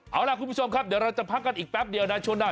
เอาล่ะคุณผู้ชมครับเดี๋ยวเราจะพักกันอีกแป๊บเดียวนะช่วงหน้า